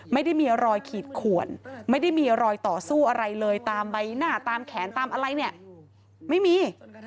ไม่ได้มีรอยขีดขวนไม่ได้มีรอยต่อสู้อะไรเลยตามใบหน้าตามแขนตามอะไรเนี่ยไม่มี